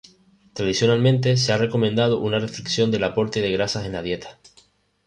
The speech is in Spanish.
Tradicionalmente se ha recomendado una restricción del aporte de grasas en la dieta.